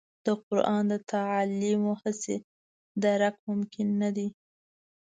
د قران د تعالیمو هغسې درک ممکن نه دی.